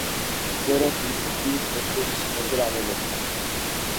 ہر طرف نون لیگی ورکر نظر آنے لگے۔